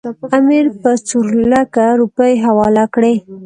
امیر به څلورلکه روپۍ حواله کړي.